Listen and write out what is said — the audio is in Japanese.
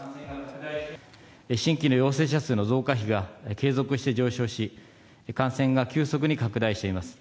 新規の陽性者数の増加比が継続して上昇し、感染が急速に拡大しています。